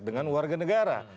dengan warga negara